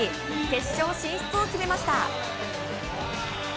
決勝進出を決めました。